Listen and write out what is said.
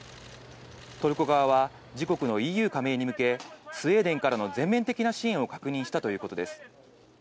トルコ側は、自国のＥＵ加盟に向け、スウェーデンからの全面的な支援を確認したということです。